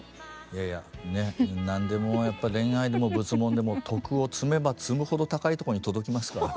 いやいやね何でもやっぱ恋愛でも仏門でも徳を積めば積むほど高いとこに届きますから。